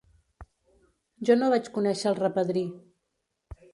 Jo no vaig conèixer el repadrí.